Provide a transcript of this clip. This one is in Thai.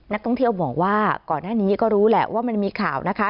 นักท่องเที่ยวบอกว่าก่อนหน้านี้ก็รู้แหละว่ามันมีข่าวนะคะ